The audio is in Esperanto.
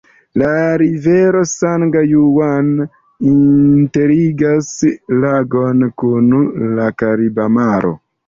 La rivero San-Juan interligas lagon kun la Kariba Maro.